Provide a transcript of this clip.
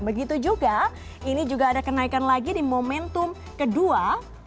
begitu juga ini juga ada kenaikan lagi di momentum kedua